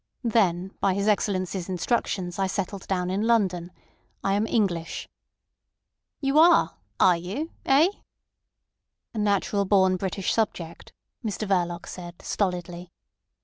Then by his Excellency's instructions I settled down in London. I am English." "You are! Are you? Eh?" "A natural born British subject," Mr Verloc said stolidly.